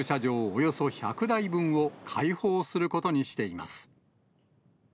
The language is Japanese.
およそ１００台分を開放することにしています。